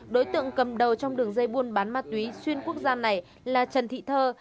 đối tượng cầm đầu trong đường dây buôn bán ma túy xuyên quốc gia này là trần thị thơ